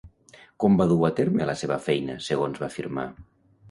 Com va dur a terme la seva feina, segons va afirmar?